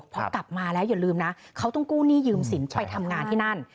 พอกลับมาแล้วอย่าลืมนะเขาต้องกู้หนี้ยืมสินไปทำงานที่นั่น